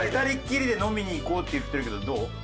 「２人きりで飲みに行こうって言ってるけどどう？」。